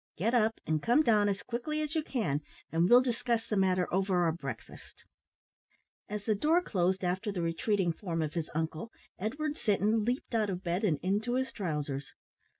Get up and come down as quickly as you can, and we'll discuss the matter over our breakfast." As the door closed after the retreating form of his uncle, Edward Sinton leaped out of bed and into his trousers.